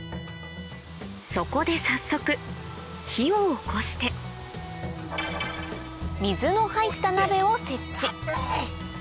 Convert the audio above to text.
そこで早速火をおこして水の入った鍋を設置熱い！